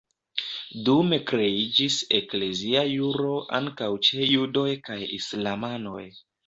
Dume kreiĝis eklezia juro ankaŭ ĉe judoj kaj islamanoj.